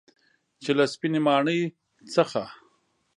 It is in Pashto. چې له سپینې ماڼۍ څخه